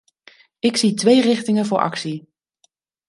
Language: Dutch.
Ik zie twee richtingen voor actie.